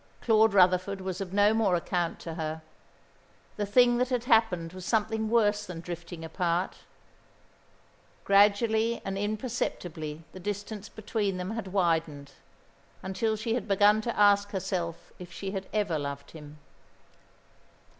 Claude Rutherford was of no more account to her. The thing that had happened was something worse than drifting apart. Gradually and imperceptibly the distance between them had widened, until she had begun to ask herself if she had ever loved him.